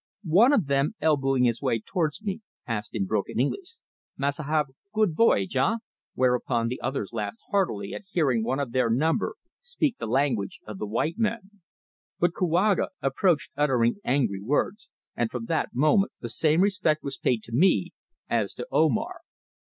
One of them, elbowing his way towards me, asked in broken English: "Massa have good voyage eh?" whereupon the others laughed heartily at hearing one of their number speak the language of the white men. But Kouaga approached uttering angry words, and from that moment the same respect was paid to me as to Omar.